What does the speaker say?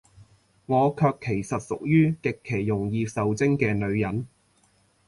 我卻其實屬於，極其容易受精嘅女人